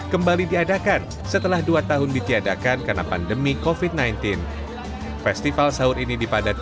kembali diadakan setelah dua tahun ditiadakan karena pandemi kofit sembilan belas festival sahur ini dipadati